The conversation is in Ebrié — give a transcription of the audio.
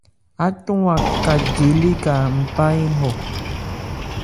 Ácɔn Aká je léka npá ń hɔ ?